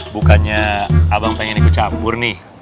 bukannya abang pengen ikut campur nih